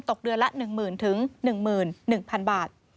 ตกเดือนละ๑๐๐๐๑๑๐๐๐บาท